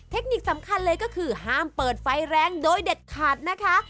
เทคนิคสำคัญเลยก็คือห้ามเปิดไฟแรงโดยเด็ดขาดนะคะ